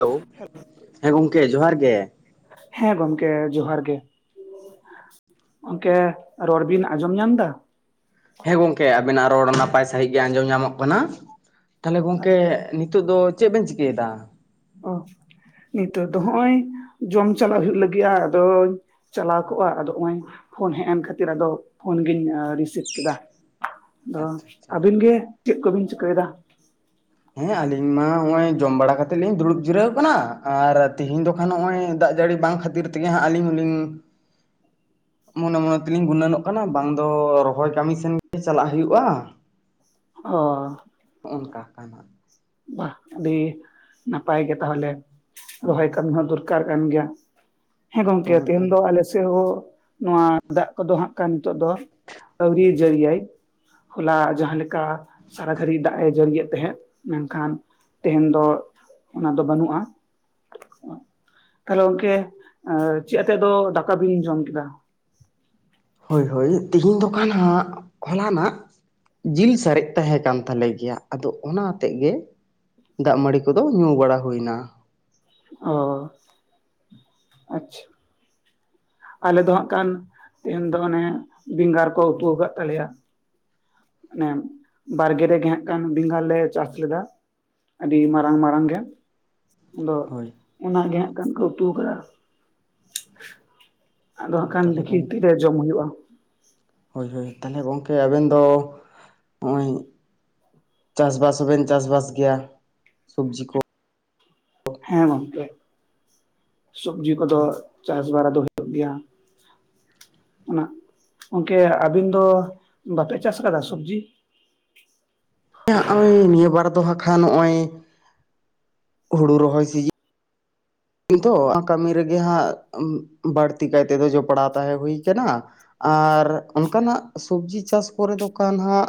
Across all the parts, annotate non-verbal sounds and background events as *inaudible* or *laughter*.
Hello ᱦᱮᱸ ᱜᱚᱝᱠᱮ ᱡᱚᱦᱟᱨ ᱜᱮ᱾ ᱦᱮᱸ ᱜᱚᱢᱠᱮ ᱡᱚᱦᱟᱨ ᱜᱮ᱾ ᱜᱚᱢᱠᱮ ᱨᱚᱲᱵᱤᱱ ᱟᱸᱡᱚᱢ ᱧᱟᱢ ᱫᱟ? ᱦᱮᱸ ᱜᱚᱝᱠᱮ ᱟᱹᱵᱤᱱᱟᱜ ᱨᱚᱲ ᱱᱟᱯᱟᱭ ᱥᱟᱹᱦᱤᱡ ᱜᱮ ᱟᱸᱡᱚᱢ ᱧᱟᱢᱚᱜ ᱠᱟᱱᱟ ᱛᱟᱦᱚᱸᱞᱮ ᱜᱚᱝᱠᱮᱼᱼ ᱱᱤᱛᱚᱜ ᱫᱚ ᱪᱮᱫ ᱵᱮᱱ ᱪᱤᱠᱟᱹᱭᱮᱫᱟ? ᱚ ᱱᱤᱛᱳᱜ ᱫᱚ ᱦᱚᱸᱜ-ᱚᱭ, ᱡᱚᱢ ᱪᱟᱞᱟᱜ ᱦᱩᱭᱩᱜ ᱞᱟᱹᱜᱤᱫ-ᱟ ᱟᱫᱚᱧ ᱪᱟᱞᱟᱣ ᱠᱚᱜ-ᱟ, ᱟᱫᱚ ᱱᱚᱜ-ᱚᱭ, ᱯᱷᱳᱱ ᱦᱮᱡ ᱮᱱ ᱠᱷᱟᱹᱛᱤᱨ ᱟᱫᱚ, ᱯᱷᱳᱱ ᱜᱤᱧ ᱨᱤᱥᱤᱵᱷ ᱠᱮᱫᱟ᱾ ᱟᱫᱚ ᱟᱪᱪᱷᱟ ᱟᱪᱪᱷᱟ ᱟᱹᱵᱤᱱ ᱜᱮ ᱪᱮᱫ ᱠᱚ ᱵᱤᱱ ᱪᱤᱠᱟᱹᱭᱮᱫᱟ? ᱦᱮᱸ ᱟᱞᱤᱧ ᱢᱟ ᱦᱚᱜ-ᱚᱭ ᱡᱚᱢ ᱵᱟᱲᱟ ᱠᱟᱛᱮ ᱞᱤᱧ ᱩᱲᱩᱵᱽ ᱡᱤᱨᱟᱹᱣ ᱠᱟᱱᱟ, ᱟᱨ ᱛᱤᱦᱤᱧ ᱫᱚ ᱠᱷᱟᱱ ᱱᱚᱜ-ᱚᱭ ᱫᱟᱜ ᱡᱟᱹᱲᱤ ᱵᱟᱝ ᱠᱷᱟᱹᱛᱤᱨ ᱠᱷᱟᱹᱛᱤᱨ ᱛᱮᱜᱮ ᱦᱟᱸᱜ ᱟᱹᱞᱤᱧ ᱦᱚᱸᱞᱤᱧ- ᱢᱚᱱᱮ ᱢᱚᱱᱮ ᱛᱮ ᱞᱤᱧ ᱜᱩᱱᱟᱹᱱᱚᱜ ᱠᱟᱱᱟ ᱵᱟᱝ ᱫᱚ ᱨᱚᱦᱚᱭ ᱠᱟᱹᱢᱤ ᱥᱮᱱ ᱜᱮ ᱪᱟᱞᱟᱜ ᱦᱩᱭᱩᱜ-ᱟ᱾ *inaudible* ᱚᱻ ᱾ ᱚᱱᱠᱟ ᱠᱟᱱᱟ᱾ ᱵᱟ, ᱟᱹᱰᱤ ᱱᱟᱯᱟᱭ ᱜᱮ ᱛᱟᱦᱚᱞᱮ᱾ ᱨᱚᱦᱚᱭ ᱠᱟᱢᱤ ᱦᱚᱸ ᱫᱚᱨᱠᱟᱨ ᱠᱟᱱ ᱜᱮᱭᱟ ᱦᱮᱸ ᱜᱚᱝᱠᱮ ᱮᱠᱫᱚᱢ ᱛᱮᱦᱮᱧ ᱮᱠᱫᱚᱢ ᱫᱚ ᱟᱞᱮ ᱥᱮᱫ ᱦᱚᱸᱼᱼ ᱱᱚᱣᱟ ᱫᱟᱜ ᱠᱚᱫᱚ ᱦᱟᱸᱜ ᱠᱟᱱ ᱱᱤᱛᱚᱜ ᱫᱚ ᱟᱹᱣᱨᱤ ᱡᱟᱹᱲᱤᱭᱟᱭ ᱦᱚᱞᱟ ᱡᱟᱦᱟᱸᱮ ᱞᱮᱠᱟᱼᱼ ᱠᱟ ᱥᱟᱨᱟ ᱜᱷᱟᱹᱲᱤ ᱫᱟᱜ ᱮ ᱡᱟᱹᱲᱤᱭᱮᱫ ᱛᱟᱦᱮᱸᱫ᱾ ᱢᱮᱱᱠᱷᱟᱱ ᱛᱮᱦᱮᱧ ᱫᱚ ᱚᱱᱟ ᱫᱚ ᱵᱟᱹᱱᱩᱜᱼᱟ᱾ ᱛᱟᱦᱞᱮ ᱜᱚᱝᱠᱮ ᱪᱮᱫ ᱟᱛᱮᱫ ᱫᱚ ᱫᱟᱠᱟ ᱵᱤᱱ ᱡᱚᱢ ᱠᱮᱫᱟ? ᱦᱳᱭ ᱦᱳᱭ ᱛᱤᱦᱤᱧ ᱫᱚ ᱠᱟᱱᱟ ᱦᱳᱞᱟᱱᱟᱜᱼᱼ ᱡᱤᱞ ᱥᱟᱨᱮᱡ ᱛᱟᱦᱮᱸ ᱠᱟᱱ ᱛᱟᱞᱮ ᱜᱮᱭᱟ ᱟᱫᱚ ᱚᱱᱟ ᱟᱛᱮᱫ ᱜᱮᱼᱼ ᱫᱟᱜ ᱢᱟᱹᱲᱤ ᱠᱚᱫᱚ ᱧᱩ ᱵᱟᱲᱟ ᱦᱩᱭᱱᱟ᱾ ᱚ᱾ ᱟᱪᱪᱷᱟ ᱟᱞᱮ ᱫᱚ ᱦᱟᱸᱜ ᱠᱟᱱ ᱛᱮᱦᱮ ᱫᱚ ᱚᱱᱮ ᱵᱮᱸᱜᱟᱨ ᱠᱚ ᱩᱛᱩ ᱟᱠᱟᱫ ᱛᱟᱞᱮᱭᱟ᱾ ᱮ ᱵᱟᱨᱜᱮ ᱨᱮᱜᱮ ᱦᱟᱜ ᱠᱷᱟᱱ ᱵᱮᱸᱜᱟᱲ ᱞᱮ ᱪᱟᱥ ᱞᱮᱫᱟ᱾ ᱟᱹᱰᱤ ᱢᱟᱨᱟᱝ ᱢᱟᱨᱟᱝ ᱢᱟᱨᱟᱝ ᱜᱮ᱾ ᱟᱫᱚ ᱦᱳᱭ ᱚᱱᱟᱜ ᱜᱮ ᱦᱟᱜ ᱠᱷᱟᱱ ᱠᱚ ᱩᱛᱩᱠᱟᱫᱟ᱾ ᱟᱫᱚ ᱦᱟᱜ ᱮᱠᱫᱚᱢ ᱠᱷᱟᱱ ᱛᱟᱦᱚᱞᱮ ᱫᱮᱠᱷᱤ ᱜᱚᱝ ᱛᱤᱨᱮ ᱡᱚᱢ ᱦᱩᱭᱩᱜᱼᱟ᱾ ᱦᱳᱭ ᱦᱳᱭ ᱛᱟᱦᱚᱞᱮ ᱜᱚᱝᱠᱮ ᱟᱵᱮᱱ ᱫᱚ ᱱᱚᱜᱼᱚᱭᱼᱼ ᱪᱟᱥᱵᱟᱥ ᱦᱚᱸᱵᱮᱱ, ᱪᱟᱥᱵᱟᱥ ᱜᱮᱭᱟ ᱥᱚᱵᱽᱡᱤ ᱠᱚ? ᱦᱮᱸ ᱜᱚᱢᱠᱮ ᱥᱚᱵᱡᱤ ᱠᱚᱫᱚ ᱪᱟᱥ ᱵᱟᱲᱟ ᱫᱚ ᱦᱳᱭᱳᱜ ᱜᱮᱭᱟ᱾ ᱚᱱᱟ ᱜᱚᱢᱠᱮ ᱟᱵᱤᱱ ᱫᱚ ᱵᱟᱯᱮ ᱪᱟᱥ ᱟᱠᱟᱫᱟ ᱥᱚᱵᱽᱡᱤ? ᱜᱚᱭ ᱱᱤᱭᱟᱹᱵᱟᱨ ᱫᱚ ᱵᱟᱠᱷᱟᱱ ᱱᱚᱜᱼᱚᱭ ᱦᱩᱲᱩ ᱨᱚᱦᱚᱭ ᱥᱤᱡᱤᱱᱼᱼ ᱠᱟᱹᱢᱤ ᱨᱮᱜᱮ ᱦᱟᱸᱜ ᱵᱟᱹᱲᱛᱤ ᱠᱟᱭ ᱛᱮᱫᱚ ᱡᱚᱯᱲᱟᱣ ᱛᱟᱦᱮᱸ ᱦᱩᱭ ᱠᱟᱱᱟ᱾ ᱟᱨ ᱚᱱᱠᱟᱱᱟᱜ ᱥᱚᱵᱽᱡᱤ ᱪᱟᱥ ᱠᱚᱨᱮ ᱫᱚ ᱠᱟᱱ ᱦᱟᱸᱜᱼᱼ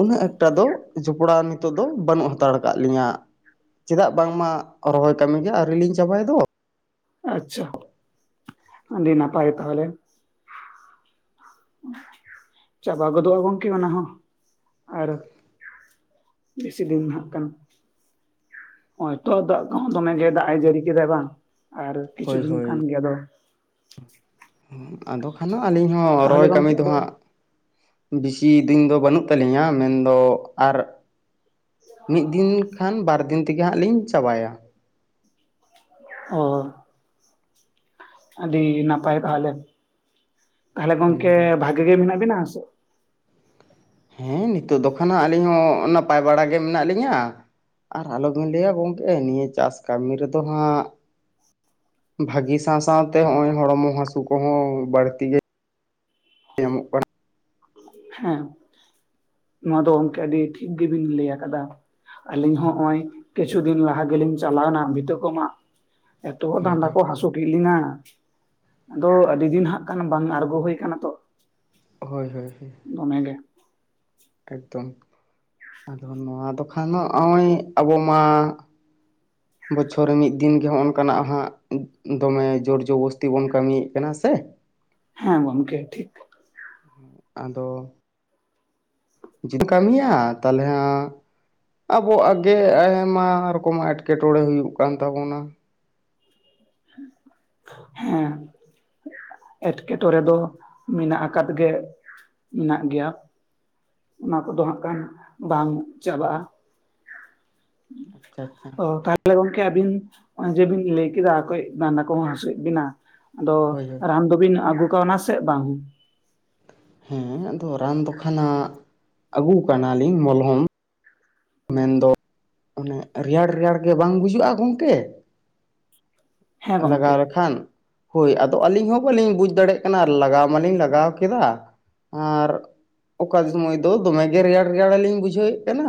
ᱩᱱᱟᱹᱜ ᱮᱠᱴᱟ ᱫᱚ ᱡᱚᱯᱲᱟᱣ ᱱᱤᱛᱚᱜ ᱫᱚ ᱵᱟᱹᱱᱩᱜ ᱦᱟᱛᱟᱲ ᱠᱟᱫ ᱞᱤᱧᱟᱹ᱾ ᱪᱮᱫᱟᱜ ᱵᱟᱝᱢᱟ ᱨᱚᱦᱚᱭ ᱠᱟᱹᱢᱤᱜᱮ ᱟᱹᱣᱤᱞᱤᱧ ᱪᱟᱵᱟᱭ ᱫᱚ᱾ ᱟᱪᱪᱷᱟ ᱟᱵᱤ ᱱᱟᱯᱟᱭ ᱛᱟᱦᱚᱞᱮ᱾ ᱪᱟᱵᱟ ᱜᱚᱫᱚᱜᱼᱟ ᱜᱚᱢᱠᱮ ᱚᱱᱟ ᱦᱚᱸ ᱟᱨᱼᱼ ᱵᱮᱥᱤ ᱫᱤᱱ ᱱᱟᱦᱟᱜ ᱠᱟᱱᱼᱼ ᱦᱚᱭᱛᱚ ᱫᱟᱜ ᱠᱚᱦᱚᱸ ᱫᱚᱢᱮ ᱜᱮ ᱫᱟᱜ ᱮ ᱡᱟᱹᱲᱤ ᱠᱮᱫᱟ ᱵᱟᱝ ᱟᱨ ᱠᱤᱪᱷᱩ ᱦᱳᱭ ᱫᱤᱱ ᱦᱳᱭ ᱠᱟᱱ ᱜᱮ ᱟᱫᱚ᱾ ᱟᱫᱚ ᱠᱷᱟᱱ ᱦᱚ ᱟᱹᱞᱤᱧ ᱦᱚᱸ ᱛᱟᱦᱚᱞᱮ ᱨᱚᱦᱚᱭ ᱠᱟᱹᱢᱤ ᱜᱚᱝᱠᱮ ᱫᱚ ᱟᱫᱚ ᱦᱟᱸᱜᱼᱼ ᱵᱤᱥᱤ ᱫᱤᱱ ᱫᱚ ᱵᱟᱹᱱᱩᱜ ᱛᱟᱞᱤᱧᱟ ᱢᱮᱱᱼᱫᱚ ᱟᱨᱼᱼ ᱢᱤᱫ ᱫᱤᱱ ᱠᱷᱟᱱ ᱵᱟᱨ ᱫᱤᱱ ᱛᱮᱜᱮ ᱦᱟᱸᱜ ᱞᱤᱧ ᱪᱟᱵᱟᱭᱟ᱾ ᱚ᱾ ᱟᱹᱰᱤ ᱱᱟᱯᱟᱭ ᱛᱟᱦᱚᱞᱮ ᱛᱟᱦᱚᱞᱮ ᱦᱳᱭ ᱜᱚᱝᱠᱮ ᱦᱳᱭ ᱵᱷᱟᱜᱤ ᱜᱮ ᱢᱮᱱᱟᱜ ᱵᱤᱱᱟ ᱥᱮ? ᱦᱮᱸ ᱱᱤᱛᱚᱜ ᱫᱚ ᱠᱷᱟᱱ ᱦᱟᱸᱜ ᱟᱹᱞᱤᱧ ᱦᱚᱸ ᱱᱟᱯᱟᱭ ᱵᱟᱲᱟ ᱜᱮ ᱢᱮᱱᱟᱜ ᱞᱤᱧᱟ᱾ ᱟᱨ ᱟᱞᱚᱵᱤᱱ ᱞᱟᱹᱭᱟ ᱜᱚᱝᱠᱮ ᱱᱤᱭᱟᱹ ᱪᱟᱥ ᱠᱟᱹᱢᱤ ᱨᱮᱫᱚ ᱦᱟᱸᱜᱼᱼ ᱵᱷᱟᱹᱜᱤ ᱥᱟᱶ ᱥᱟᱶᱛᱮ ᱱᱚᱜ ᱚᱭ ᱦᱚᱲᱢᱚ ᱦᱟᱥᱩ ᱠᱚᱦᱚᱸ ᱵᱟᱹᱲᱛᱤ ᱜᱮᱼᱼ ᱮᱢ ᱠᱚᱨᱮᱱᱟᱜ *inaudible* ᱦᱮᱸ ᱱᱚᱣᱟ ᱫᱚ ᱜᱚᱢᱠᱮ ᱟᱹᱰᱤ ᱴᱷᱤᱠ ᱜᱤᱵᱤᱱ ᱞᱮᱭ ᱟᱠᱟᱫᱟ᱾ ᱟᱹᱞᱤᱧ ᱦᱚᱸ ᱦᱚᱭ ᱠᱤᱪᱷᱩ ᱫᱤᱱ ᱞᱟᱦᱟ ᱜᱮᱞᱤᱧ ᱪᱟᱞᱟᱣᱱᱟ ᱵᱷᱤᱛᱟᱹ ᱠᱚ ᱢᱟᱜᱼᱼ ᱮᱛᱚ ᱦᱳᱭ ᱫᱟᱸᱰᱟ ᱦᱳᱭ ᱠᱚ ᱦᱟᱹᱥᱩ ᱠᱮᱜᱞᱤᱧᱟᱼᱼ ᱟᱫᱚ ᱟᱹᱰᱤ ᱫᱤᱱ ᱦᱟᱸᱜ ᱠᱟᱱ ᱵᱟᱝ ᱟᱬᱜᱚ ᱦᱳᱭ ᱠᱟᱱᱟ ᱛᱚ ᱦᱳᱭ ᱦᱳᱭ ᱦᱳᱭ᱾ ᱚᱱᱮ ᱜᱮ, ᱮᱠᱫᱚᱢ ᱱᱚᱣᱟ ᱫᱚ᱾ ᱠᱷᱟᱱ ᱱᱚᱜᱼᱚᱭ ᱟᱵᱚ ᱢᱟᱼᱼ ᱵᱚᱪᱷᱚᱨ ᱨᱮ ᱢᱤᱫ ᱫᱤᱱ ᱜᱮ ᱦᱚᱸᱜᱼ ᱱᱚᱝᱠᱟᱱᱟᱜ ᱦᱟᱸᱜ ᱫᱚᱢᱮ ᱡᱳᱨᱡᱚᱵᱚᱥᱛᱤ ᱵᱚᱱ ᱠᱟᱹᱢᱤᱭᱮᱜ ᱠᱟᱱᱟ ᱥᱮ ᱾ ᱦᱮᱸ ᱜᱚᱢᱠᱮ ᱴᱷᱤᱠ ᱟᱫᱚ ᱾ ᱡᱩᱫᱤᱢ ᱠᱟᱹᱢᱤᱭᱟ ᱛᱟᱦᱚᱞᱮ ᱦᱮᱻ ᱟᱵᱚ ᱟᱜᱮ ᱟᱭᱢᱟ ᱨᱚᱠᱚᱢᱟᱜ ᱮᱸᱴᱠᱮᱴᱚᱬᱮ ᱦᱩᱭᱩᱜ ᱠᱟᱱ ᱛᱟᱵᱚᱱᱟ᱾ ᱦᱮᱸ ᱾ ᱮᱸᱴᱠᱮᱴᱚᱲᱮ ᱫᱚ ᱢᱮᱱᱟᱜ ᱟᱠᱟᱫ ᱜᱮ ᱢᱮᱱᱟᱜ ᱜᱮᱭᱟ ᱾ ᱚᱱᱟ ᱠᱚᱫᱚ ᱦᱟᱸᱜ ᱠᱷᱟᱱ ᱵᱟᱝ ᱪᱟᱵᱟᱜ ᱟ᱾ ᱟᱪᱪᱷᱟ ᱟᱪᱪᱷᱟ ᱾ ᱚ ᱛᱟᱦᱚᱞᱮ ᱜᱚᱝᱠᱮ ᱟᱹᱵᱤᱱ ᱦᱚᱸᱼᱚᱭ ᱡᱮ ᱵᱤᱱ ᱞᱮᱭ ᱠᱮᱫᱟ ᱠᱟᱹᱡ ᱰᱟᱹᱰᱟ ᱠᱚᱦᱚᱸ ᱦᱟᱹᱥᱩᱭᱮᱫ ᱵᱤᱱᱟ ᱾ ᱟᱫᱚ ᱦᱳᱭ ᱦᱳᱭ ᱨᱟᱱ ᱫᱚᱵᱤᱱ ᱟᱹᱜᱩ ᱠᱟᱣᱱᱟ ᱥᱮ ᱵᱟᱝ? ᱦᱮᱸ ᱟᱫᱚ ᱨᱟᱱ ᱫᱚ ᱠᱷᱟᱱᱟᱜ ᱟᱜᱩ ᱠᱟᱱᱟᱞᱤᱧ ᱢᱚᱞᱦᱚᱢ ᱾ ᱢᱮᱱᱫᱚᱼ ᱚᱱᱮ ᱨᱮᱭᱟᱲ ᱨᱮᱭᱟᱲᱜᱮ ᱵᱟᱝ ᱵᱩᱡᱟᱹᱜᱼᱟ ᱜᱚᱝᱠᱮ᱾ ᱦᱮᱸ ᱞᱟᱜᱟᱣ ᱜᱚᱝᱠᱮ ᱞᱮᱠᱷᱟᱱ ᱦᱳᱭ ᱟᱫᱚ ᱟᱹᱞᱤᱧ ᱦᱚᱸ ᱵᱟᱹᱞᱤᱧ ᱵᱩᱡ ᱫᱟᱲᱮᱜ ᱠᱟᱱᱟ ᱞᱟᱜᱟᱣ ᱢᱟᱞᱤᱧ ᱞᱟᱜᱟᱣ ᱠᱮᱫᱟ ᱟᱨ ᱚᱠᱟ ᱥᱚᱢᱚᱭ ᱫᱚ ᱫᱚᱢᱮᱜᱮ ᱨᱮᱭᱟᱲ ᱨᱮᱭᱟᱲ ᱞᱤᱧ ᱵᱩᱡᱷᱟᱹᱣᱭᱮᱫ ᱠᱟᱱᱟ᱾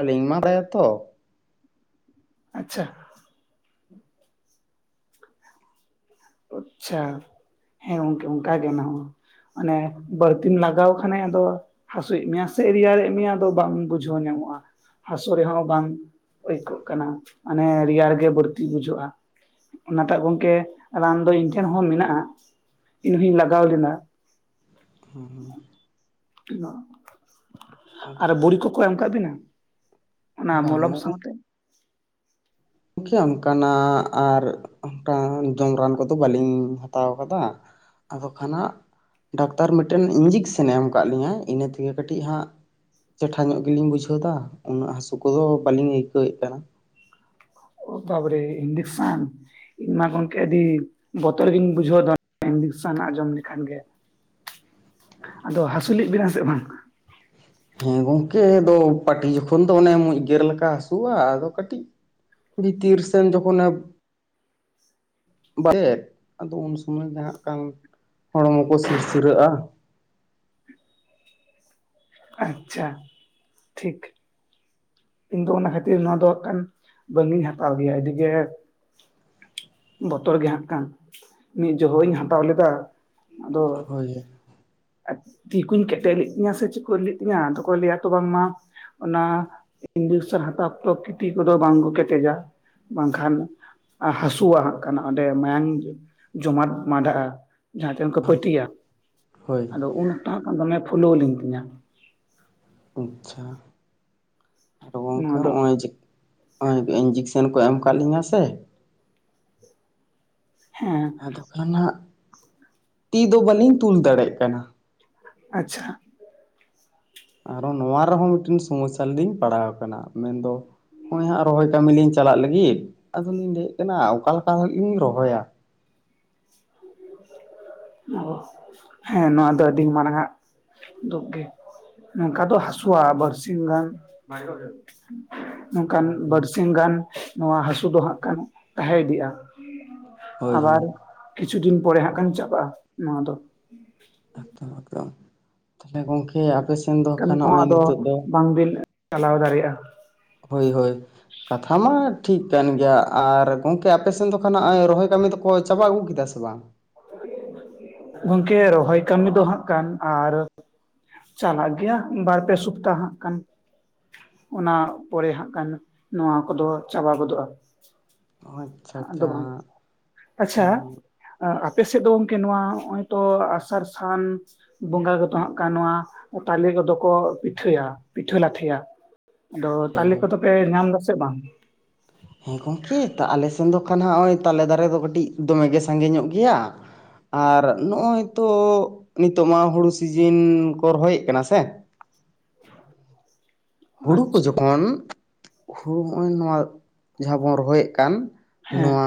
ᱟᱹᱞᱤᱧ ᱢᱟ ᱵᱷᱮ ᱛᱚ᱾ ᱟᱪᱪᱷᱟ ᱾ ᱟᱪᱪᱷᱟ ᱦᱮᱸ ᱜᱚᱝᱠᱮ ᱚᱝᱠᱟ ᱜᱮ ᱚᱱᱟᱦᱚᱸ ᱾ ᱟᱱᱮ ᱵᱟᱹᱲᱛᱤᱢ ᱞᱟᱜᱟᱣ ᱠᱷᱟᱱᱮ ᱟᱫᱚ ᱦᱟᱥᱩᱭᱮᱜ ᱢᱮᱭᱟ ᱥᱮ ᱨᱮᱭᱟᱲᱮᱜ ᱢᱮᱭᱟ ᱟᱫᱚ ᱵᱟᱢ ᱵᱩᱡᱷᱟᱹᱣ ᱧᱟᱢᱚᱜᱼᱟ᱾ ᱦᱟᱥᱳ ᱨᱮᱦᱚᱸ ᱵᱟᱝ ᱟᱹᱭᱠᱟᱹᱜ ᱠᱟᱱᱟ ᱢᱟᱱᱮ ᱨᱮᱭᱟᱲ ᱜᱮ ᱵᱟᱹᱲᱛᱤ ᱵᱩᱡᱷᱟᱹᱜᱼᱟ᱾ ᱚᱱᱟᱴᱟᱜ ᱜᱚᱝᱠᱮ ᱨᱟᱱ ᱫᱚ ᱤᱧ ᱴᱷᱮᱱ ᱦᱚᱸ ᱢᱮᱱᱟᱜᱼᱟ ᱤᱧ ᱦᱩᱧ ᱞᱟᱜᱟᱣ ᱞᱮᱱᱟ᱾ ᱦᱸ ᱦᱸ, ᱟᱫᱚ ᱟᱨ ᱵᱩᱲᱤ ᱠᱚᱠᱚ ᱮᱢ ᱠᱟᱜ ᱵᱤᱱᱟ? ᱚᱱᱟ ᱢᱚᱞᱚᱢ ᱵᱟᱝ ᱥᱟᱶᱛᱮ᱾ ᱠᱮ ᱚᱱᱠᱟᱱᱟᱜ ᱟᱨ ᱚᱝᱠᱟ ᱡᱚᱢ ᱨᱟᱱ ᱠᱚᱫᱚ ᱵᱟᱹᱞᱤᱧ ᱦᱟᱛᱟᱣ ᱠᱟᱫᱟ᱾ ᱟᱫᱚ ᱠᱷᱟᱱᱟᱜ ᱰᱟᱠᱛᱟᱨ ᱢᱮᱴᱮᱱ ᱤᱧᱡᱮᱠᱥᱮᱱᱮ ᱮᱢ ᱠᱟᱜ ᱞᱤᱧᱟ ᱤᱱᱟᱹ ᱛᱮᱜᱮ ᱠᱟᱹᱴᱤᱡ ᱦᱟᱸᱜ ᱪᱮᱴᱷᱟ ᱧᱚᱜ ᱜᱮᱞᱤᱧ ᱵᱩᱡᱷᱟᱹᱣᱫᱟ ᱩᱱᱟᱹᱜ ᱦᱟᱹᱥᱩ ᱠᱚᱫᱚ ᱵᱟᱞᱤᱧ ᱟᱹᱭᱠᱟᱹᱣ ᱭᱮᱫ ᱠᱟᱱᱟ᱾ ᱵᱟᱵᱨᱮ ᱧᱡᱮᱠᱥᱟᱱ ᱾ ᱤᱱ ᱢᱟ ᱜᱚᱝᱠᱮ ᱟᱹᱰᱤ ᱵᱚᱛᱚᱨ ᱜᱤᱧ ᱵᱩᱡᱷᱟᱹᱣ ᱫᱟ ᱧᱡᱮᱠᱥᱟᱱ ᱟᱸᱡᱚᱢ ᱞᱮᱠᱷᱟᱱ ᱜᱮ᱾ *unintelligible* ᱟᱫᱚ ᱦᱟᱥᱩ ᱞᱤᱜ ᱵᱤᱱᱟ ᱥᱮ ᱵᱟᱝ? ᱦᱮᱸ ᱜᱚᱝᱠᱮ ᱟᱫᱚ ᱯᱟᱹᱴᱤ ᱡᱚᱠᱷᱚᱱ ᱫᱚ ᱚᱱᱮ ᱢᱩᱡ ᱜᱮᱨ ᱞᱮᱠᱟ ᱦᱟᱹᱥᱩᱣᱟ ᱟᱫᱚ ᱠᱟᱹᱴᱤᱡ ᱵᱷᱤᱛᱤᱨ ᱥᱮᱱ ᱡᱚᱠᱷᱚᱱᱮ *unintelligible* ᱟᱫᱚ ᱩᱱ ᱥᱚᱢᱚᱭ ᱡᱟᱸᱦᱟᱸᱜ ᱠᱟᱱ ᱦᱚᱲᱢᱚ ᱠᱚ ᱥᱤᱨᱥᱤᱨᱟᱹᱜᱼᱟ᱾ ᱟᱪᱪᱷᱟ ᱴᱷᱤᱠ ᱾ ᱤᱧ ᱫᱚ ᱚᱱᱟ ᱠᱷᱟᱹᱛᱤᱨ ᱱᱚᱣᱟ ᱫᱚ ᱦᱟᱸᱠᱷᱟᱱ ᱵᱟᱝ ᱤᱧ ᱦᱟᱛᱟᱣ ᱜᱮᱭᱟ ᱟᱹᱰᱤᱜᱮ ᱵᱚᱛᱚᱨ ᱜᱮ ᱦᱟᱸᱠᱷᱟᱱ ᱢᱤᱫ ᱡᱚᱦᱚᱜ ᱤᱧ ᱦᱟᱛᱟᱣ ᱞᱮᱫᱟ ᱟᱫᱚ ᱦᱳᱭ ᱛᱤ ᱠᱩᱧ ᱠᱮᱴᱮᱡ ᱞᱮᱫ ᱛᱤᱧᱟ ᱥᱮ ᱪᱤᱠᱟᱹ ᱞᱮᱫ ᱛᱤᱧᱟ ᱟᱫᱚ ᱠᱚ ᱞᱟᱹᱭᱟ ᱛᱚ ᱵᱟᱝᱢᱟ ᱚᱱᱟ ᱤᱱᱡᱮᱠᱥᱮᱱ ᱦᱟᱛᱟᱣ ᱯᱨᱚᱠᱤᱛᱤ ᱠᱚᱫᱚ ᱵᱟᱝᱠᱚ ᱠᱮᱴᱮᱡᱟ ᱵᱟᱝᱠᱷᱟᱱ ᱦᱟᱹᱥᱩᱣᱟ ᱦᱟᱸᱠᱷᱟᱱ ᱚᱸᱰᱮ ᱢᱟᱭᱟᱝ ᱡᱚᱢᱟᱴ ᱢᱟᱰᱟᱜ-ᱟ ᱾ ᱡᱟᱦᱟᱸ ᱴᱷᱮᱱ ᱠᱚ ᱦᱳᱭ ᱯᱟᱹᱴᱤᱭᱟ ᱦᱳᱭ ᱟᱫᱚ ᱩᱱ ᱚᱠᱛᱚ ᱦᱟᱸᱠᱷᱟᱱ ᱫᱚᱢᱮ ᱯᱷᱩᱞᱟᱹᱣ ᱞᱮᱱ ᱛᱤᱧᱟ ᱟᱪᱪᱷᱟ ᱟᱫᱚ ᱜᱚᱝᱠᱮ ᱱᱚᱣᱟ ᱫᱚ ᱱᱚᱜᱚᱭ ᱡᱮ ᱚᱭ ᱤᱝᱡᱮᱠᱥᱮᱱ ᱠᱚ ᱮᱢ ᱟᱠᱟᱫ ᱞᱤᱧᱟ ᱥᱮ ᱦᱮᱸ ᱟᱫᱚ ᱠᱷᱟᱱᱟ ᱦᱟᱜ ᱛᱤ ᱫᱚ ᱵᱟᱟᱹᱞᱤᱧ ᱛᱩᱞ ᱫᱟᱲᱮᱭᱟᱜ ᱠᱟᱱᱟ᱾ ᱟᱪᱪᱷᱟ ᱟᱨᱦᱚᱸ ᱱᱚᱣᱟ ᱨᱮᱦᱚᱸ ᱢᱤᱫᱴᱮᱱ ᱥᱚᱢᱚᱥᱥᱟ ᱨᱮᱞᱤᱧ ᱯᱟᱲᱟᱣ ᱠᱟᱱᱟ ᱢᱮᱱᱫᱚ ᱦᱚᱜᱚᱭ ᱦᱟᱸᱜ ᱨᱚᱦᱚᱭ ᱠᱟᱹᱢᱤ ᱞᱤᱧ ᱪᱟᱞᱟᱜ ᱞᱟᱹᱜᱤᱫ ᱟᱫᱚ ᱞᱤᱧ ᱞᱟᱹᱭᱮᱫ ᱠᱟᱱᱟ ᱚᱠᱟ ᱞᱮᱠᱟ ᱦᱟᱜ ᱞᱤᱧ ᱨᱚᱦᱚᱭᱟ *inaudible* ᱦᱮᱸ ᱱᱚᱣᱟ ᱫᱚ ᱟᱹᱰᱤ ᱢᱟᱨᱟᱝ ᱟᱜ ᱫᱩᱠ ᱜᱮ ᱱᱚᱝᱠᱟ ᱫᱚ ᱦᱟᱹᱥᱩᱣᱟ ᱵᱟᱨᱥᱤᱧ ᱜᱟᱱ *unintelligible* ᱱᱚᱝᱠᱟᱱ ᱦᱳᱭ ᱦᱳᱭ ᱵᱟᱨᱥᱤᱧ ᱜᱟᱱ ᱱᱚᱣᱟ ᱦᱟᱹᱥᱩ ᱫᱚ ᱦᱟᱸᱜ ᱠᱷᱟᱱ ᱛᱟᱦᱮ ᱤᱫᱤᱜ-ᱟ ᱦᱳᱭ ᱦᱳᱭ ᱠᱤᱪᱷᱩ ᱫᱤᱱ ᱯᱚᱨᱮ ᱦᱟᱸᱠᱷᱟᱱ ᱪᱟᱵᱟᱜ-ᱟ ᱱᱚᱣᱟ ᱫᱚ *inaudible* *inaudible* ᱦᱮ ᱜᱚᱜᱠᱮ ᱟᱯᱮ ᱥᱮᱱ ᱫᱚ ᱠᱷᱟᱱ ᱦᱚᱜᱚᱭ ᱱᱤᱛᱚᱜ ᱫᱚ ᱵᱟᱝ ᱵᱤᱞ ᱪᱟᱞᱟᱣ ᱫᱟᱲᱮᱭᱟᱜ-ᱟ ᱦᱳᱭ ᱦᱳᱭ ᱠᱟᱛᱷᱟ ᱢᱟ ᱴᱷᱤᱠ ᱠᱟᱱ ᱜᱮᱭᱟ ᱟᱨ ᱜᱚᱝᱠᱮ ᱟᱯᱮ ᱥᱮᱱ ᱫᱚ ᱠᱷᱟᱱ ᱨᱚᱦᱚᱭ ᱠᱟᱹᱢᱤ ᱫᱚᱠᱚ ᱪᱟᱵᱟ ᱟᱹᱜᱩ ᱠᱮᱫᱟ ᱥᱮ ᱵᱟᱝ? ᱜᱚᱝᱠᱮ ᱨᱚᱦᱚᱭ ᱠᱟᱹᱢᱤ ᱫᱚ ᱦᱟᱸᱜᱠᱟᱱ ᱟᱨ ᱪᱟᱞᱟᱜ ᱜᱮᱭᱟ ᱵᱟᱨ ᱯᱮ ᱥᱚᱯᱛᱟᱦ ᱦᱟᱸᱜᱠᱷᱟᱱ ᱚᱱᱟ ᱯᱚᱨᱮ ᱦᱟᱸᱜ ᱠᱷᱟᱱ ᱱᱚᱣᱟ ᱠᱚᱫᱚ ᱪᱟᱵᱟ ᱜᱚᱫᱚᱜ-ᱟ᱾ ᱚ ᱟᱪᱪᱷᱟ ᱟᱪᱪᱷᱟ ᱟᱦᱟᱸ ᱟᱨ ᱟᱯᱮ ᱥᱮᱫ ᱫᱚ ᱜᱚᱝᱠᱮ ᱱᱚᱣᱟ ᱱᱚᱜᱚᱭ ᱛᱚ ᱟᱥᱟᱲ ᱥᱟᱱ ᱵᱚᱸᱜᱟ ᱜᱮᱛᱚ ᱦᱟᱸᱜ ᱠᱟᱱ ᱱᱚᱣᱟ ᱛᱟᱞᱮ ᱠᱚᱫᱚ ᱠᱚ ᱯᱤᱴᱷᱟᱹᱭᱟ ᱯᱤᱴᱷᱟᱹ ᱞᱟᱴᱷᱮᱭᱟ᱾ ᱟᱫᱚ ᱛᱟᱞᱮ ᱠᱚᱫᱚ ᱯᱮ ᱧᱟᱢ ᱫᱟᱥᱮ ᱵᱟᱝ? ᱦᱮᱸ ᱜᱚᱝᱠᱮ ᱛᱟ ᱟᱞᱮ ᱥᱮᱱ ᱫᱚ ᱠᱷᱟᱱ ᱦᱟᱸᱜ ᱱᱚᱜᱚᱭ ᱛᱟᱞᱮ ᱫᱟᱨᱮ ᱫᱚ ᱠᱟᱹᱴᱤᱡ ᱫᱚᱢᱮᱜᱮ ᱥᱟᱸᱜᱮ ᱧᱚᱜ ᱜᱮᱭᱟ᱾ ᱟᱨ ᱱᱚᱜ ᱚᱭ ᱛᱚ ᱱᱤᱛᱚᱜ ᱢᱟ ᱦᱳᱲᱳ ᱥᱤᱡᱤᱱ ᱠᱚ ᱨᱚᱦᱚᱭᱮᱫ ᱠᱟᱱᱟ ᱥᱮ *inaudible* ᱦᱩᱲᱩ ᱠᱚ ᱟᱪᱪᱷᱟ ᱡᱚᱠᱷᱚᱱ ᱦᱩᱲᱩ ᱱᱚᱜᱚᱭ ᱱᱚᱣᱟ ᱡᱟᱦᱟᱸ ᱵᱚᱱ ᱨᱚᱦᱚᱭᱮᱫ ᱠᱟᱱ ᱦᱮᱸ ᱱᱚᱣᱟ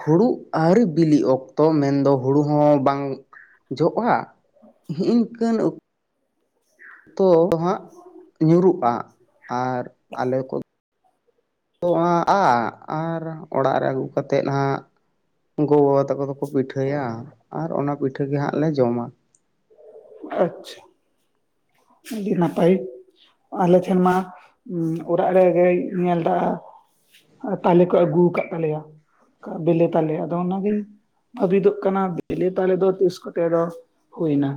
ᱦᱩᱲᱩ ᱟᱹᱣᱨᱤ ᱵᱤᱞᱤᱜ ᱚᱠᱛᱚ ᱢᱮᱱᱫᱚ ᱦᱩᱲᱩ ᱦᱚᱸ ᱵᱟᱝ ᱡᱚᱜ-ᱟ ᱦᱤᱜᱤᱱ ᱚᱠᱛ ᱛᱚ ᱫᱚᱦᱟᱜ ᱧᱩᱨᱩᱜ-ᱟ ᱟᱨ ᱟᱞᱮ ᱠᱚ ᱛᱚ ᱟ ᱟ ᱟᱨ ᱚᱲᱟᱜ ᱨᱮ ᱠᱟᱛᱮᱫ ᱦᱟᱸᱜ ᱜᱚᱜᱚ ᱵᱟᱵᱟ ᱛᱟᱠᱚ ᱫᱚᱠᱚ ᱯᱤᱴᱷᱟᱹᱭᱟ ᱟᱨ ᱚᱱᱟ ᱯᱤᱴᱷᱟᱹ ᱜᱮ ᱦᱟᱸᱜ ᱞᱮ ᱡᱚᱢᱟ᱾ ᱪᱷᱟ ᱟᱹᱰᱤ ᱱᱟᱯᱟᱭ ᱟᱞᱮ ᱴᱷᱮᱱ ᱢᱟ ᱚᱲᱟᱜ ᱨᱮ ᱜᱟᱭ ᱧᱮᱞ ᱫᱟ ᱛᱟᱞᱮ ᱠᱚ ᱟᱹᱜᱩ ᱠᱟᱜ ᱛᱟᱞᱮᱭᱟ ᱵᱮᱞᱮ ᱛᱟᱞᱮ ᱟᱫᱚ ᱚᱱᱟᱜᱤᱧ ᱵᱷᱟᱹᱵᱤᱛᱚᱜ ᱠᱟᱱᱟ ᱵᱮᱞᱮ ᱛᱟᱞᱮ ᱫᱚ ᱛᱤᱥ ᱠᱚᱛᱮ ᱨᱚᱥ ᱦᱩᱭ ᱱᱟ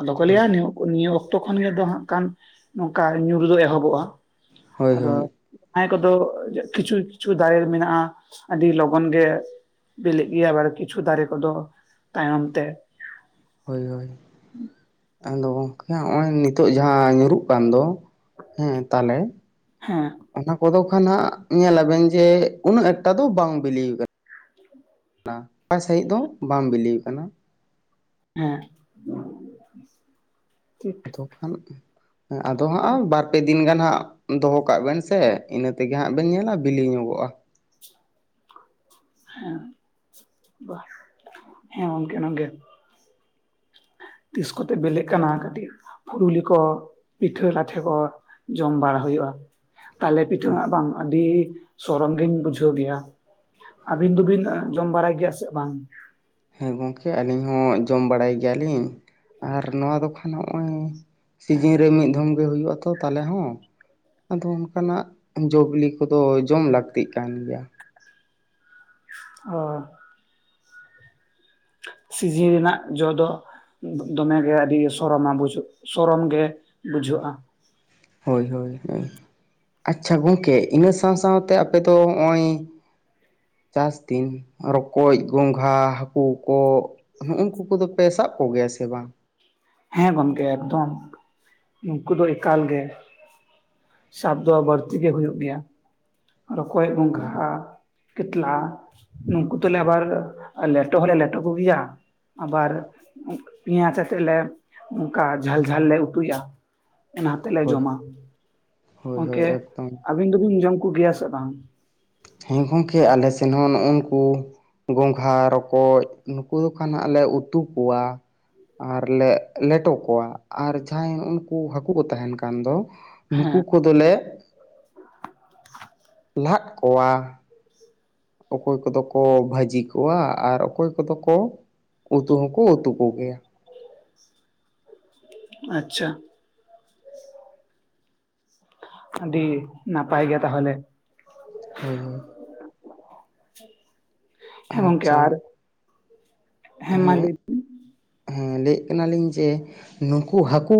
ᱟᱫᱚ ᱠᱚ ᱦᱳᱭ ᱞᱟᱹᱭᱟ ᱱᱤᱭᱟᱹ ᱱᱤᱭᱟᱹ ᱚᱠᱛᱚ ᱠᱷᱚᱱ ᱜᱮ ᱫᱚ ᱦᱟᱸᱜᱠᱟᱱ ᱱᱚᱝᱠᱟ ᱧᱩᱨᱩ ᱫᱚ ᱮᱦᱚᱵᱚᱜ-ᱟ᱾ ᱦᱳᱭ ᱟᱫᱚ ᱦᱳᱭ ᱡᱟᱦᱟᱸᱭ ᱠᱚᱫᱚ ᱠᱤᱪᱷᱩ ᱠᱤᱪᱷᱩ ᱫᱟᱨᱮ ᱟᱹᱰᱤ ᱞᱚᱜᱚᱱ ᱜᱮ ᱵᱤᱞᱤᱜ ᱜᱮ ᱟᱵᱟᱨ ᱠᱤᱪᱷᱩ ᱫᱟᱨᱮ ᱠᱚᱫᱚ ᱛᱟᱭᱚᱢ ᱛᱮ ᱦᱳᱭ ᱦᱳᱭ *inaudible* ᱟᱫᱚ ᱜᱚᱢᱠᱮ ᱦᱟᱜ ᱱᱤᱛᱚᱜ ᱡᱟᱦᱟᱸ ᱧᱩᱨᱩᱜ ᱠᱟᱱ ᱫᱚ ᱦᱮᱸ ᱛᱟᱦᱚᱞᱮ ᱦᱮᱸ *inaudible* ᱚᱱᱟ ᱠᱚᱫᱚ ᱠᱷᱟᱱ ᱦᱟᱸᱜ ᱧᱮᱞᱟᱵᱮᱱ ᱡᱮ ᱩᱱᱟᱹᱜ ᱮᱠᱴᱟ ᱫᱚ ᱵᱟᱝ ᱵᱤᱞᱤᱭ ᱟᱠᱟ ᱱᱟ ᱚᱠᱟ ᱥᱟᱺᱦᱤᱡ ᱫᱚ ᱵᱟᱝ ᱵᱤᱞᱤ ᱟᱠᱟᱱᱟ ᱾ ᱦᱮᱸ *inaudible* ᱴᱷᱤᱠ ᱾ ᱟᱫᱚ ᱠᱷᱟᱱ *inaudible* ᱟᱫᱚ ᱦᱟᱸᱜ ᱵᱟᱨ ᱯᱮ ᱫᱤ ᱫᱤᱱ ᱜᱟᱱ ᱦᱟᱸᱜ ᱫᱚᱦᱚ ᱠᱟᱜ ᱵᱮᱱ ᱥᱮ ᱤᱱᱟᱹ ᱛᱮᱜᱮ ᱦᱟᱸᱜ ᱵᱮᱱ ᱧᱮᱞᱟ ᱵᱤᱞᱤ ᱧᱚᱜᱚᱜ-ᱟ ᱾ ᱦᱮᱸ *inaudible* ᱦᱮᱸ ᱜᱚᱝᱠᱮ *inaudible* ᱛᱤᱥ ᱠᱚᱛᱮ ᱵᱤᱞᱤᱜ ᱠᱟᱱᱟ ᱠᱟᱹᱴᱤᱡ ᱯᱩᱨᱩᱞᱤ ᱠᱚ ᱯᱤᱴᱷᱟᱹ ᱞᱟᱴᱷᱮ ᱠᱚ ᱡᱚᱢ ᱵᱟᱲᱟ ᱦᱩᱭᱩᱜ-ᱟ ᱾ ᱛᱟᱦᱚᱞᱮ ᱯᱤᱴᱷᱟ. ᱦᱟᱜ ᱵᱟᱝ ᱟᱰᱤ ᱥᱚᱨᱚᱢ ᱜᱤᱧ ᱵᱩᱡᱷᱟᱹᱣ ᱜᱮᱭᱟ ᱟᱹᱵᱤᱱ ᱫᱚᱵᱤᱱ ᱡᱚᱢ ᱵᱟᱲᱟᱭ ᱜᱮᱭᱟ ᱥᱮ ᱵᱟᱝ? ᱦᱮᱸ ᱜᱚᱝᱠᱮ ᱟᱹᱞᱤᱧ ᱦᱚᱸ ᱡᱚᱢ ᱵᱟᱲᱟᱭ ᱜᱮᱭᱟᱞᱤᱧ ᱟᱨ ᱱᱚᱣᱟ ᱫᱚ ᱠᱷᱟᱱ ᱱᱚᱜ-ᱚᱭ ᱥᱤᱡᱤᱱ ᱨᱮ ᱢᱤᱫ ᱫᱷᱚᱢ ᱜᱮ ᱦᱩᱭᱩᱜ-ᱟ ᱛᱚ ᱛᱟᱞᱮ ᱦᱚᱸ ᱾ ᱟᱫᱚ ᱚᱱᱠᱟᱱᱟᱜ ᱡᱚ ᱵᱤᱞᱤ ᱠᱚᱫᱚ ᱡᱚᱢ ᱞᱟᱹᱠᱛᱤᱜ ᱠᱟᱱ ᱜᱮᱭᱟ ᱾ ᱦᱚᱭ ᱾ ᱥᱤᱡᱤᱱ ᱨᱮᱱᱟᱜ ᱡᱚ ᱫᱚ ᱫᱚᱢᱮᱜᱮ ᱟᱹᱰᱤ ᱥᱚᱨᱚᱢᱟᱵᱩᱡᱷᱚᱜ ᱥᱚᱨᱚᱢ ᱜᱮ ᱵᱩᱡᱷᱟᱹᱜ-ᱟ ᱾ ᱦᱳᱭ ᱦᱳᱭ ᱦᱮ ᱾ ᱟᱪᱪᱷᱟ ᱜᱚᱝᱠᱮ ᱤᱱᱟᱹ ᱥᱟᱶ ᱥᱟᱶᱛᱮ ᱟᱯᱮᱚ ᱱᱚᱜ-ᱚᱭ ᱪᱟᱥ ᱫᱤᱱ ᱨᱚᱠᱚᱡ ᱜᱚᱝᱜᱷᱟ ᱦᱟᱹᱠᱩ ᱠᱚᱸᱜ ᱦᱩᱸᱜ-ᱩᱠᱩ ᱠᱚᱫᱚ ᱯᱮ ᱥᱟᱵ ᱠᱚᱜᱮᱭᱟ ᱥᱮ ᱵᱟᱝ? ᱦᱮᱸ ᱜᱚᱝᱠᱮ ᱮᱠᱫᱚᱢ *inaudible* ᱩᱱᱠᱩ ᱫᱚ ᱮᱠᱟᱞ ᱜᱮ ᱾ ᱥᱟᱵ ᱫᱚ ᱵᱟᱹᱲᱛᱤ ᱜᱮ ᱦᱩᱭᱩᱜ ᱜᱮᱭᱟ *inaudible* ᱨᱚᱠᱚᱡ ᱦᱳᱭ ᱜᱚᱸᱜᱷᱟ ᱠᱟᱛᱞᱟ ᱱᱩᱠᱩ ᱛᱚᱞᱮ ᱟᱵᱟᱨ ᱞᱮᱴᱚ ᱦᱚᱞᱮ ᱞᱮᱴᱚ ᱠᱚᱜᱮᱭᱟ ᱾ ᱟᱵᱟᱨ ᱯᱮᱸᱭᱟᱡᱽ ᱟᱛᱮᱫ ᱞᱮ ᱚᱱᱠᱟ ᱡᱷᱟᱞ ᱡᱷᱟᱞ ᱞᱮ ᱩᱛᱩᱭᱟ ᱾ ᱚᱱᱟᱛᱮ ᱞᱮ ᱦᱳᱭ ᱡᱚᱢᱟ *inaudible* ᱦᱳᱭ ᱦᱳᱭ ᱜᱚᱝᱠᱮ ᱮᱠᱫᱚᱢ ᱟᱵᱤᱱ ᱫᱚᱵᱤᱱ ᱡᱚᱢ ᱠᱚᱜᱮᱭᱟ ᱥᱮ ᱵᱟᱝ? ᱦᱮᱸ ᱜᱚᱝᱠᱮ ᱟᱞᱮ ᱥᱮᱱ ᱦᱚ ᱱᱩᱜ-ᱩ ᱱᱩᱠᱩ ᱜᱚᱝᱜᱷᱟ ᱨᱚᱠᱚᱡ ᱱᱩᱠᱩ ᱫᱚ ᱠᱷᱟᱱ ᱦᱟᱜ ᱞᱮ ᱩᱛᱩ ᱠᱚᱣᱟ ᱟᱨ ᱞᱮ ᱞᱮᱴᱚ ᱠᱚᱣᱟ ᱾ ᱟᱨ ᱡᱟᱦᱟᱸᱭ ᱩᱱᱠᱩ ᱦᱟᱹᱠᱩ ᱠᱚ ᱛᱟᱦᱮᱱ ᱠᱟᱱ ᱫᱚ ᱦᱮᱸ ᱱᱩᱠᱩ ᱠᱚᱫᱚᱞᱮ ᱞᱟᱫ ᱠᱚᱣᱟ ᱾ ᱚᱠᱚᱭ ᱠᱚᱫᱚ ᱠᱚ ᱵᱷᱟᱹᱡᱤ ᱠᱚᱣᱟ ᱟᱨ ᱚᱠᱚᱭ ᱠᱚᱫᱚ ᱠᱚ ᱩᱛᱩ ᱦᱚᱸᱠᱚ ᱩᱛᱩ ᱠᱚᱜᱮᱭᱟ ᱾ ᱟᱪᱪᱷᱟ ᱾ ᱟᱹᱰᱤ ᱱᱟᱯᱟᱭ ᱜᱮ ᱛᱟᱦᱚᱞᱮ ᱾ ᱦᱳᱭ ᱦᱳᱭ ᱾ ᱦᱮᱸ ᱜᱚᱝᱠᱮ ᱟᱪᱪᱷᱟ ᱟᱨ ᱦᱮ ᱢᱟᱸ ᱞᱟᱹᱭ ᱦᱮᱸ ᱵᱤᱱ ᱾ ᱦᱮᱸ ᱞᱟᱹᱭᱮᱫ ᱠᱟᱱᱟᱞᱤᱧ ᱡᱮ ᱱᱩᱠᱩ ᱦᱟᱹᱠᱩ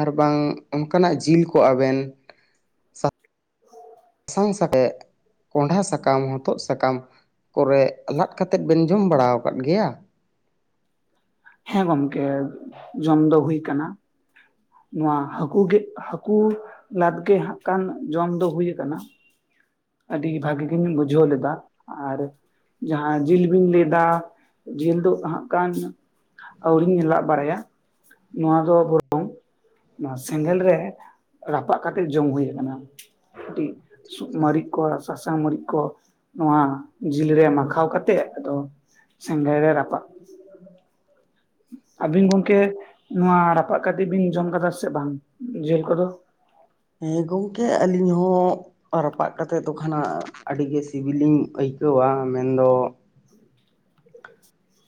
ᱟᱨᱵᱟᱝ ᱚᱱᱠᱟᱱᱟᱜ ᱡᱤᱞ ᱠᱚ ᱟᱵᱮᱱ *unintelligible* ᱠᱚᱱᱰᱷᱟ ᱥᱟᱠᱟᱢ ᱦᱚᱛᱚᱫ ᱥᱟᱠᱟᱢ ᱠᱚᱨᱮ ᱞᱟᱫ ᱠᱟᱛᱮᱫ ᱵᱮᱱ ᱡᱚᱢ ᱵᱟᱲᱟ ᱟᱠᱟᱫ ᱜᱮᱭᱟ? ᱦᱮᱸ ᱜᱚᱝᱠᱮ ᱡᱚᱢ ᱫᱚ ᱦᱩᱭ ᱟᱠᱟᱱᱟ ᱾ ᱱᱚᱣᱟ ᱦᱟᱹᱠᱩ ᱜᱮ ᱦᱟᱹᱠᱩ ᱞᱟᱫ ᱜᱮ ᱦᱟᱸᱜ ᱠᱷᱟᱱ ᱡᱚᱢ ᱫᱚ ᱦᱩᱭ ᱟᱠᱟᱱᱟ ᱾ ᱟᱹᱰᱤ ᱵᱷᱟᱹᱜᱤ ᱜᱤᱧ ᱵᱩᱡᱷᱟᱹᱣ ᱞᱮᱫᱟ ᱟᱨ ᱡᱟᱦᱟᱸ ᱡᱤᱞ ᱵᱤᱱ ᱞᱟᱹᱭᱫᱟ ᱡᱤᱞ ᱫᱚ ᱦᱟᱸᱜ ᱠᱷᱟᱱ ᱟᱹᱣᱨᱤᱧ ᱞᱟᱜ ᱵᱟᱲᱟᱭᱟ ᱱᱚᱣᱟ ᱫᱚ ᱵᱚᱨᱚᱝ ᱱᱟ ᱥᱮᱸᱜᱮᱞ ᱨᱮ ᱨᱟᱯᱟᱜ ᱠᱟᱛᱮᱜ ᱡᱚᱢ ᱦᱳᱭ ᱟᱠᱟᱱᱟ ᱾ ᱠᱟᱹᱴᱤᱜ ᱥᱩᱠᱢᱟᱨᱤ ᱠᱚ ᱥᱟᱥᱟᱝ ᱢᱟᱨᱤᱡ ᱠᱚ ᱱᱚᱣᱟ ᱡᱤᱞᱨᱮ ᱢᱟᱠᱷᱟᱣ ᱠᱟᱛᱮᱜ ᱟᱫᱚ ᱥᱮᱸᱜᱮᱞ ᱨᱮ ᱨᱟᱯᱟᱜ ᱟᱵᱤᱱ ᱜᱚᱝᱠᱮ ᱱᱚᱣᱟ ᱨᱟᱯᱟᱜ ᱠᱟᱛᱮᱜ ᱵᱤᱱ ᱡᱚᱢ ᱠᱟᱫᱟ ᱥᱮ ᱵᱟᱝ ᱡᱮᱹᱞ ᱠᱚᱫᱚ? ᱦᱮᱸ ᱜᱚᱝᱠᱮ ᱟᱹᱞᱤᱧ ᱦᱚᱸ ᱨᱟᱯᱟᱜ ᱠᱟᱛᱮᱜ ᱛᱚ ᱠᱷᱚᱱᱟᱜ ᱟᱹᱰᱤᱜᱮ ᱥᱤᱵᱤᱞᱤᱧ ᱟᱹᱭᱠᱟᱹᱣᱟ ᱢᱮᱱᱫᱚ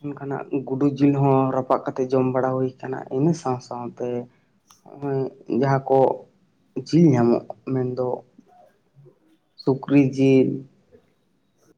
ᱚᱱᱠᱟᱱᱟᱜ ᱜᱩᱰᱩ ᱡᱤᱞ ᱦᱚᱸ ᱨᱟᱯᱟᱜ ᱠᱟᱛᱮᱜ ᱡᱚᱢ ᱵᱟᱲᱟ ᱦᱩᱭ ᱠᱟᱱᱟ ᱤᱱᱟᱹ ᱥᱟᱶ ᱥᱟᱶᱛᱮ ᱦᱚᱜ-ᱚᱭ ᱡᱟᱸᱦᱟ ᱠᱚ ᱡᱤᱞ ᱧᱟᱢᱚᱜ ᱢᱮᱱᱫᱚ ᱥᱩᱠᱨᱤ ᱡᱤᱞ